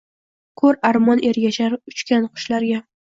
ko’r armon ergashar uchgan qushlarga